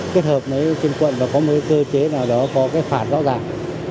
kết hợp với trên quận có một cơ chế nào đó có cái phạt rõ ràng